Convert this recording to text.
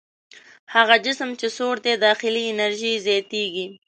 هغه جسم چې سوړ دی داخلي انرژي یې زیاتیږي.